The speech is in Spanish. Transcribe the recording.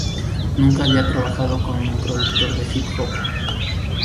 Nunca había trabajado con un productor de hip-hop.